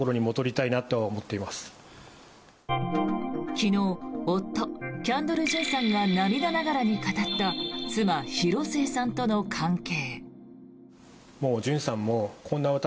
昨日夫、キャンドル・ジュンさんが涙ながらに語った妻・広末さんとの関係。